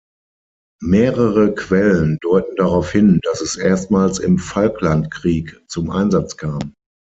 Mehrere Quellen deuten darauf hin, dass es erstmals im Falkland-Krieg zum Einsatz kam.